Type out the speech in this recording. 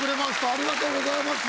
ありがとうございます。